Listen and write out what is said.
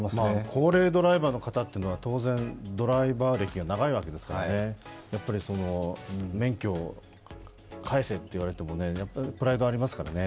高齢ドライバーという方は当然、ドライバー歴が長いわけですからね、免許を返せと言われても、プライドがありますからね。